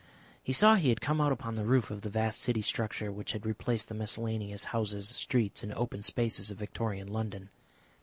He saw he had come out upon the roof of the vast city structure which had replaced the miscellaneous houses, streets and open spaces of Victorian London.